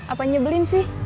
apa nyebelin sih